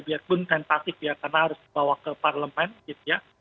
biarpun tentatif ya karena harus dibawa ke parlemen gitu ya